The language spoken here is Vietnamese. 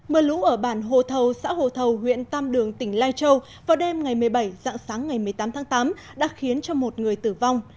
mưa lũ ở bản hồ thầu xã hồ thầu huyện tam đường tỉnh lai châu vào đêm ngày một mươi bảy dạng sáng ngày một mươi tám tháng tám đã khiến cho một người tử vong